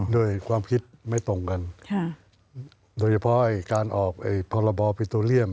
ด้วยความคิดไม่ตรงกันโดยเฉพาะการออกพรบปิโตเรียม